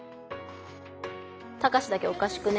「タカシだけおかしくね？」